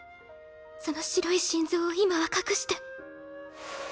その白い心臓を今は隠して。